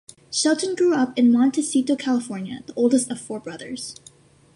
Shelton grew up in Montecito, California, the oldest of four brothers.